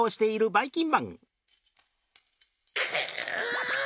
くぅ！